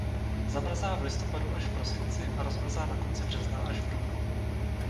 Zamrzá v listopadu až v prosinci a rozmrzá na konci března až v dubnu.